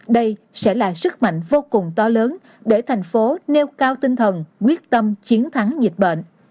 đây sẽ là sức mạnh vô cùng to lớn để thành phố nêu cao tinh thần quyết tâm chiến thắng dịch bệnh